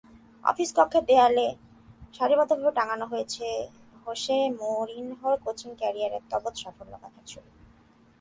Office কক্ষের দেয়ালে সারিবদ্ধভাবে টাঙানো রয়েছে হোসে মরিনহোর কোচিং ক্যারিয়ারের তাবত্ সাফল্যগাথার ছবি।